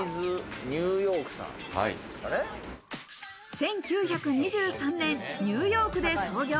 １９２３年、ニューヨークで創業。